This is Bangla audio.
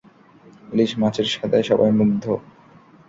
ইলিশ মাছের স্বাদে সবাই মুগ্ধ।